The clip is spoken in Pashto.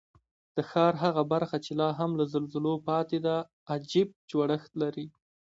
د ښار هغه برخه چې لا هم له زلزلو پاتې ده، عجیب جوړښت لري.